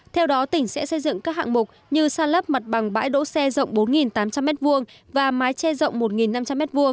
theo đó tỉnh sẽ xây dựng các hạng mục như san lấp mặt bằng bãi đỗ xe rộng bốn tám trăm linh m hai và mái tre rộng một năm trăm linh m hai